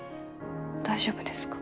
大丈夫ですか？